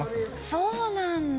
そうなんだ。